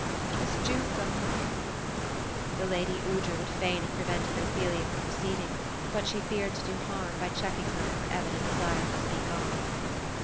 It was Jutha, mother !" The lady Aoudra would fain have prevented Ophelia from proceed ing ; but she feared to do harm, by checking her in her evident desire to speak on.